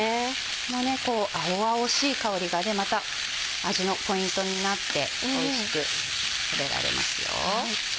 この青々しい香りがまた味のポイントになっておいしく食べられますよ。